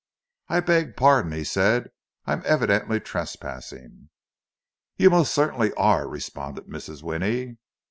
"I beg pardon," he said. "I am evidently trespassing." "You most certainly are," responded Mrs. Winnie.